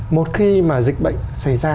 một khi mà dịch bệnh xảy ra